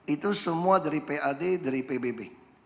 itu semua dari pad dari pbb